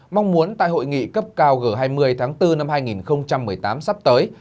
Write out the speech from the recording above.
mong muốn tại hội nghị cấp cao g hai mươi tháng bốn năm hai nghìn một mươi tám sắp tới